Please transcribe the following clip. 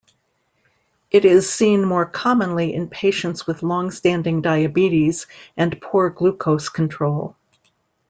It is seen more commonly in patients with longstanding diabetes and poor glucose control.